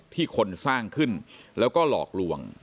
คนสร้างขึ้นแล้วก็หลอกลวง